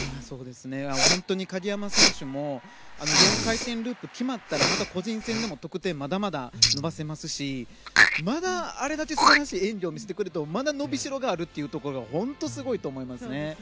本当に鍵山選手も４回転ループが決まったらまた個人戦でも得点がまだまだ伸ばせますしあれだけ素晴らしい演技を見せてくれてもまだのびしろがあるというのが本当にすごいと思います。